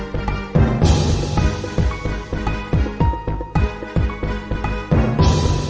ติดตามต่อไป